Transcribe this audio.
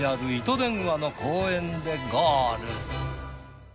電話の公園でゴール。